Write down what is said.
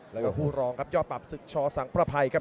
แล้วก็คู่รองครับยอดปรับศึกชอสังประภัยครับ